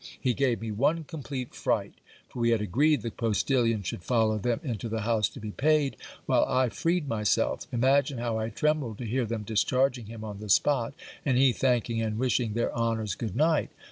He gave me one complete fright, for we had agreed the postilion should follow them into the house to be paid, while I freed myself; imagine how I trembled to hear them discharging him on the spot, and he thanking and wishing their honours good night.